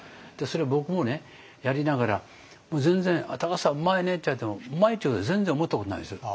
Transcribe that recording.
それ僕もやりながら全然「田さんうまいね」って言われてもうまいというふうに全然思ったことないですよ。